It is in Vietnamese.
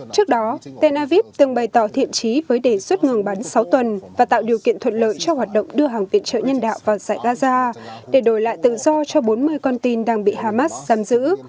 trước đó tel aviv từng bày tỏ thiện trí với đề xuất ngừng bắn sáu tuần và tạo điều kiện thuận lợi cho hoạt động đưa hàng viện trợ nhân đạo vào giải gaza để đổi lại tự do cho bốn mươi con tin đang bị hamas giam giữ